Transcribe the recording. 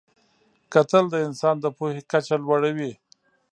کتل د انسان د پوهې کچه لوړوي